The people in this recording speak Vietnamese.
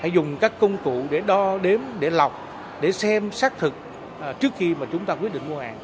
dùng các công cụ để đo đếm để lọc để xem xác thực trước khi mà chúng ta quyết định mua hàng